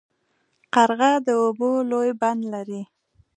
قرغه د اوبو لوی بند لري.